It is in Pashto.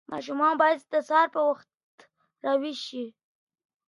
ماشومان باید د سهار په وخت راویښ شي.